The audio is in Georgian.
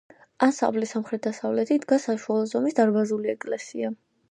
ანსამბლის სამხრეთ-დასავლეთით დგას საშუალო ზომის დარბაზული ეკლესია.